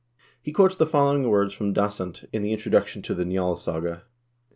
He quotes the following words from Dasent, in the introduction to the "Nj&lssaga."